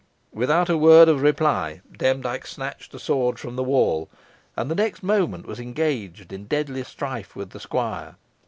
Without a word of reply, Demdike snatched a sword from the wall, and the next moment was engaged in deadly strife with the squire.